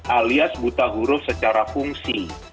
alias buta huruf secara fungsi